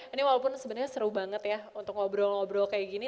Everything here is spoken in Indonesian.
ini walaupun sebenarnya seru banget ya untuk ngobrol ngobrol kayak gini